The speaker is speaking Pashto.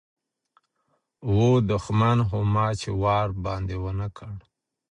و دښمن خو ما چي وار باندي و نه کړ